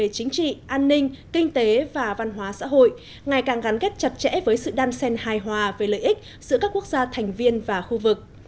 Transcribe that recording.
chính trị an ninh kinh tế và văn hóa xã hội ngày càng gắn kết chặt chẽ với sự đan sen hài hòa về lợi ích giữa các quốc gia thành viên và khu vực